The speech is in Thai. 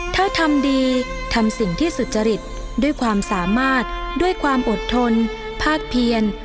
ถ้าทำดีทำสิ่งที่สุจริตด้วยความสามารถด้วยความอดทนภาคเพียน